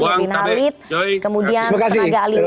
nurdin halid kemudian tenaga aling